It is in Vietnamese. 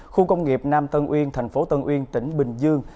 khu công nghiệp nam tân uyên tp tân uyên tỉnh bình dương